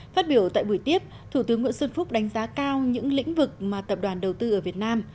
phát biểu tại buổi tiếp thủ tướng nguyễn xuân phúc đánh giá cao những lĩnh vực mà tập đoàn đầu tư ở việt nam